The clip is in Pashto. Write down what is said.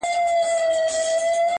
o ناسته کونه تر قاضي لا هوښياره ده!